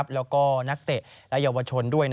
แล้วก็นักเตะและเยาวชนด้วย